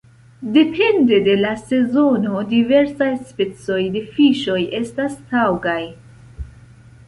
Depende de la sezono diversaj specoj de fiŝoj estas taŭgaj.